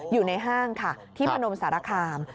อยู่ในห้างค่ะที่พนมสารคาม